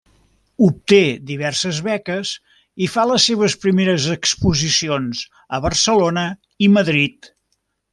Obté diverses beques i fa les seves primeres exposicions a Barcelona i Madrid.